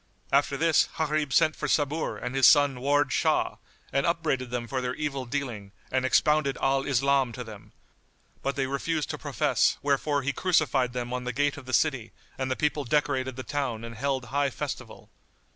After this, Gharib sent for Sabur and his son Ward Shah, and upbraided them for their evil dealing and expounded Al Islam to them; but they refused to profess wherefore he crucified them on the gate of the city and the people decorated the town and held high festival.